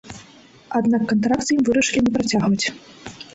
Аднак кантракт з ім вырашылі не працягваць.